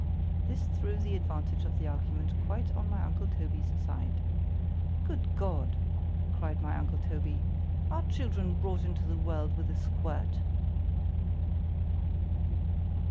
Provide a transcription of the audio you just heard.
——This threw the advantage of the argument quite on my uncle Toby's side.—"Good God!" cried my uncle Toby, "_are children brought into the world with a squirt?